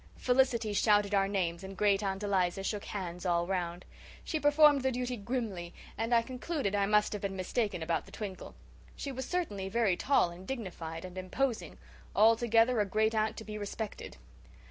Felicity shouted our names and Great aunt Eliza shook hands all round. She performed the duty grimly and I concluded I must have been mistaken about the twinkle. She was certainly very tall and dignified and imposing altogether a great aunt to be respected.